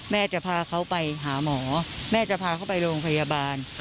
แม่จะพาเขาไปหาหมอแม่จะพาเขาไปโรงพยาบาล